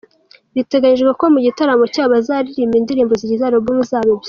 Biteganyijwe ko mu gitaramo cyabo bazaririmba indirimbo zigize album zabo ebyiri.